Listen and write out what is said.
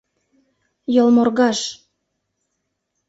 Йылморгаж!